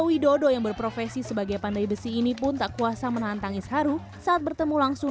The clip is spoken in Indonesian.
widodo yang berprofesi sebagai pandai besi ini pun tak kuasa menahan tangis haru saat bertemu langsung